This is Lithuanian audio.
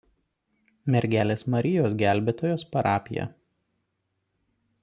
Mergelės Marijos Gelbėtojos parapija.